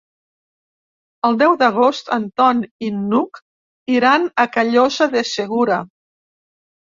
El deu d'agost en Ton i n'Hug iran a Callosa de Segura.